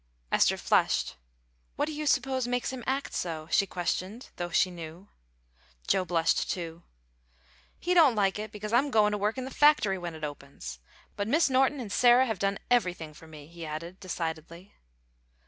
Esther flushed. "What do you suppose makes him act so?" she questioned, though she knew. Joe blushed too. "He don't like it because I'm going to work in the factory when it opens. But Mis' Norton and Sarah have done everything for me," he added, decidedly.